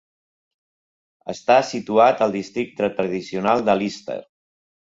Està situat al districte tradicional de Lister.